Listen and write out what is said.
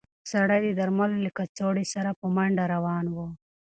سړی د درملو له کڅوړې سره په منډه روان و.